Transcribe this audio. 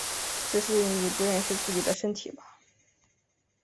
只是你不认识自己的身体吧！